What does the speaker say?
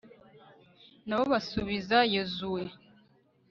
na bo basubiza yozuwe